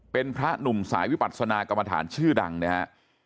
เป็นพระหนุ่มสายวิปัศนากรรมฐานชื่อดังนะฮะ